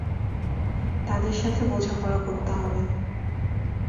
তাদের সাথে বোঝাপড়া করতে হবে।